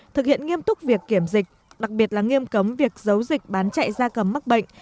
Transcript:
thực hiện nghiêm túc việc kiểm dịch đặc biệt là nghiêm cấm việc giấu dịch bán chạy da cầm mắc bệnh